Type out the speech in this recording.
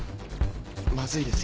まずいですよ。